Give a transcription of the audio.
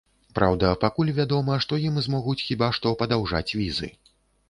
Праўда, пакуль вядома, што ім змогуць хіба што падаўжаць візы.